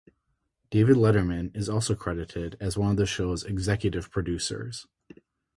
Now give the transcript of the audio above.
David Letterman is also credited as one of the show's executive producers.